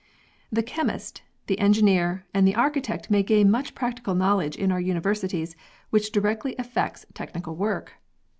The chemist, the engineer, and the architect may gain much practical knowledge in our universities which directly affects technical work.